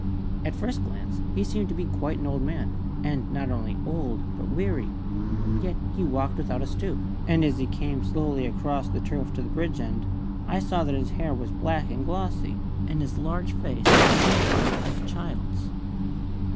At first glance he seemed to be quite an old man, and not only old but weary; yet he walked without a stoop, and as he came slowly across the turf to the bridge end I saw that his hair was black and glossy, and his large face unwrinkled as a child's.